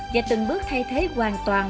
và từng bước thay thế hoàn toàn